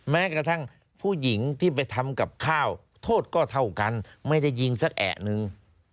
แม้กระทั่งผู้หญิงที่ไปทำกับข้าวโทษก็เท่ากันไม่ได้ยิงสักแอะนึง